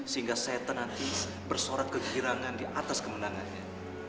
sehingga setan nanti bersorak kegirangan di atas kemenangannya